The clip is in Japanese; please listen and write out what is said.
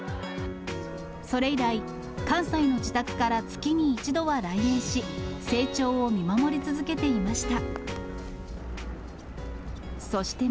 それ以来、関西の自宅から月に１度は来園し、成長を見守り続けていました。